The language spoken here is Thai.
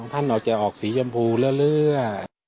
ท่านออกจะออกสีชมพูเรื่อย